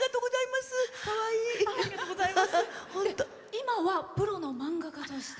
今はプロの漫画家として。